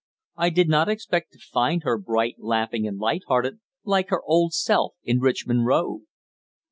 I did not expect to find her bright, laughing, and light hearted, like her old self in Richmond Road.